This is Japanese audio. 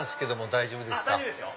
大丈夫ですよ。